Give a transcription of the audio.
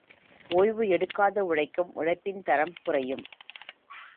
ஒய்வு எடுக்காது உழைக்கும் உழைப்பின் தரம் குறையும்.